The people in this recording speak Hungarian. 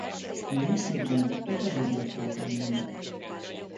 A Nyírségben és a Bodrogközben nő.